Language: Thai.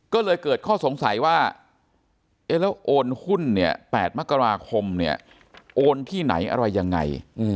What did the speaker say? ก็เลยเกิดข้อสงสัยว่าแล้วโอนหุ้นเนี่ย๘มกราคมเนี่ยโอนที่ไหนอะไรยังไง